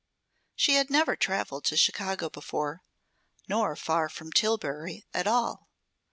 She had never traveled to Chicago before, nor far from Tillbury at all.